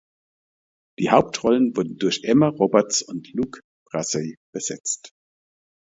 Die Hauptrollen wurden durch Emma Roberts und Luke Bracey besetzt.